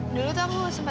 buruan kita terlambat